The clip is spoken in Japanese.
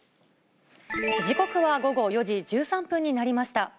時刻は午後４時１３分になりました。